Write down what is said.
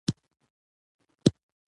هغه بکس په خپل ځای کېښود.